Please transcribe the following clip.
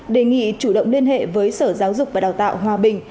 đề nghị chủ động liên hệ với sở giáo dục và đào tạo hòa bình